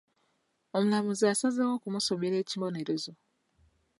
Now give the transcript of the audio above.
Omulamuzi asazeewo okumusomera ekibonerezo.